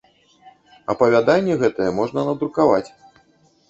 Апавяданне гэтае можна надрукаваць.